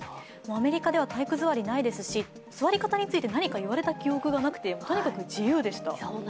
アメリカでは体育座り、ないですし、座り方について何か言われた記憶がなくてとにかく自由でした。